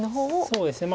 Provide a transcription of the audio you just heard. そうですね。